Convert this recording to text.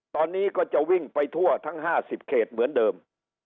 ตอนนี้ก็จะวิ่งไปทั่วทั้ง๕๐เขตเหมือนเดิม